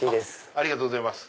ありがとうございます。